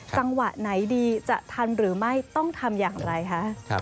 จังหวะไหนดีจะทันหรือไม่ต้องทำอย่างไรคะ